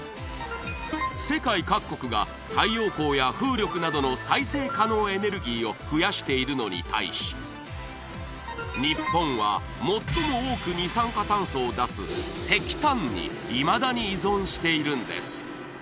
世界各国が太陽光や風力などの再生可能エネルギーを増やしているのに対し日本は最も多く二酸化炭素を出す石炭にいまだに依存しているんです